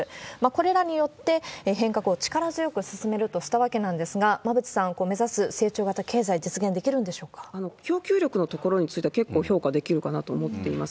これらによって変革を力強く進めるとしたわけなんですが、馬渕さん、目指す成長型経済、実現でき供給力のところについては結構評価できるかなと思っています。